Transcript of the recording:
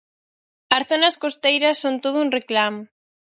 As zonas costeiras, son todo un reclamo.